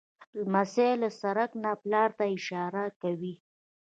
لمسی له سړک نه پلار ته اشاره کوي.